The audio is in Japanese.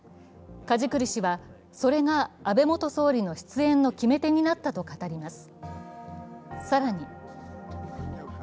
梶栗氏はそれが安倍元総理の出演の決め手になったと語ります。